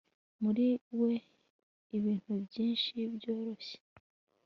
Muri we ibintu byinshi byoroshye